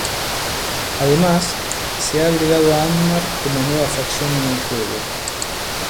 Además, se ha agregado a Angmar como nueva facción en el juego.